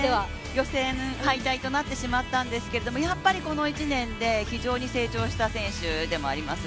予選敗退となってしまったんですけれども、やっぱりこの１年で非常に成長した選手でもあります